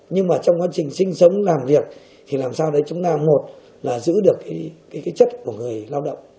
nhưng mà trong quá trình sinh sống làm việc thì làm sao đấy chúng ta một là giữ được cái chất của người lao động